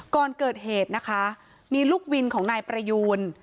ก่อนเกิดเหตุนะคะมีลูกวินของนายประยูน